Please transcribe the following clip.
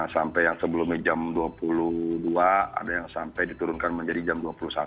sampai yang sebelumnya jam dua puluh dua ada yang sampai diturunkan menjadi jam dua puluh satu